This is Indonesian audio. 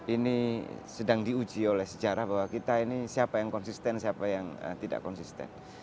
ini sedang diuji oleh sejarah bahwa kita ini siapa yang konsisten siapa yang tidak konsisten